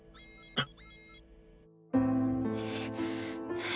あっ。